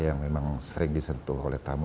yang memang sering disentuh oleh tamu